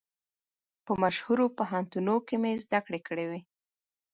په مشهورو پوهنتونو کې مې زده کړې کړې وې.